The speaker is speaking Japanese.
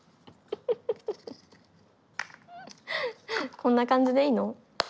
こんな感じでいいの？